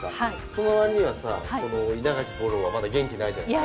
そのわりにはさこの稲垣吾郎はまだ元気ないじゃないですか。